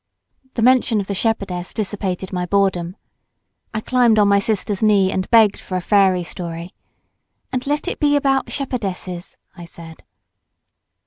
The mention of the shepherdess dissipated my boredom. I climbed on my sister's knee and begged for a fairy story " And let it be about shepherdesses," I said.